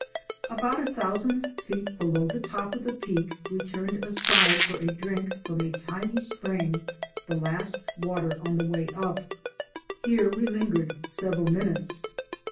About a thousand feet below the top of the Peak we turned aside for a drink from a tiny spring, the last water on the way up. Here we lingered several minutes.